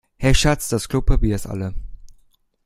Hey Schatz, das Klopapier ist alle.